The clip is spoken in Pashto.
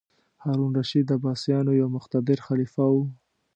هارون الرشید د عباسیانو یو مقتدر خلیفه و.